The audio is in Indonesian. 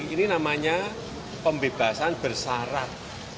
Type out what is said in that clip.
ini namanya pembebasan bersyarat